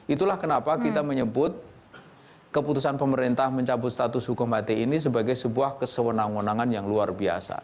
itulah kenapa kita menyebut keputusan pemerintah mencabut status hukum hti ini sebagai sebuah kesewenang wenangan yang luar biasa